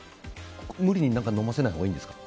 無理に何か飲ませないほうがいいんですか？